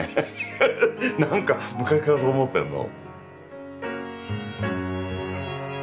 ハハッ何か昔からそう思ってんの。